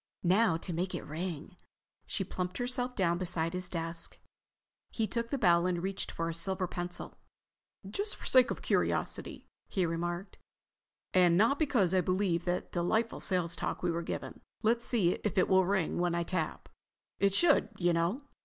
"Now to make it ring." She plumped herself down beside his desk. He took the bell and reached for a silver pencil. "Just for the sake of curiosity," he remarked, "and not because I believe that delightful sales talk we were given, let's see if it will ring when I tap. It should, you know."